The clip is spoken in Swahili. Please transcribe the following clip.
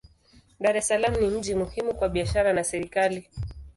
Dar es Salaam ni mji muhimu kwa biashara na serikali.